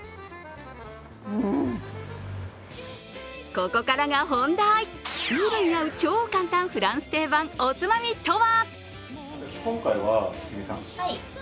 ここからが本題ビールに合う超簡単フランス定番おつまみとは？